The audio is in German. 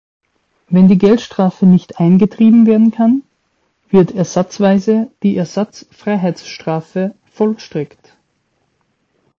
Wenn die Geldstrafe nicht eingetrieben werden kann, wird ersatzweise die Ersatzfreiheitsstrafe vollstreckt.